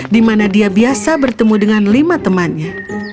di mana dia biasa bertemu dengan lima temannya